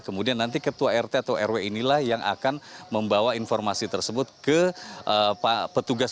kemudian nanti ketua rt atau rw inilah yang akan membawa informasi tersebut ke petugas